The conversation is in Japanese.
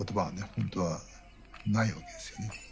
本当はないわけですよね。